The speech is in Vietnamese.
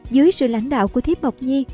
dưới sự lãnh đạo của thiếp mộc nhi